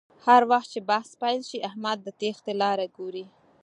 هر وخت چې بحث پیل شي احمد د تېښتې لاره گوري